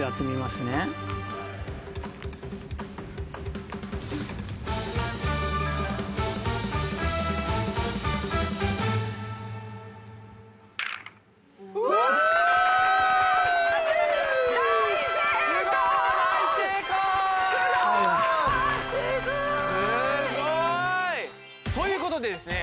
すごい！ということでですね